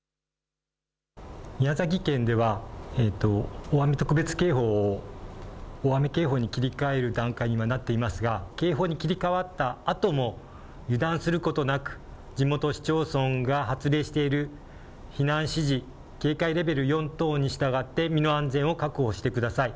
宮崎県では大雨特別警報を大雨警報に切り替える段階にはなっていますが、警報に切り替わったあとも、油断することなく、地元市町村が発令している避難指示警戒レベル４等に従って身の安全を確保してください。